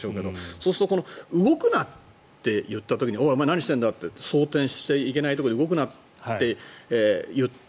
そうすると動くなって言った時におい、お前何してんだって装てんしてちゃいけないところで動くなって言った。